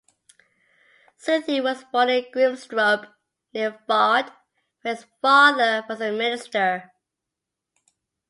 Zeuthen was born in Grimstrup near Varde where his father was a minister.